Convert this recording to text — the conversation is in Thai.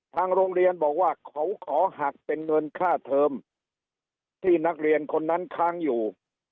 ทางโรงเรียนบอกว่าเขาขอหักเป็นเงินค่าเทอมที่นักเรียนคนนั้นค้างอยู่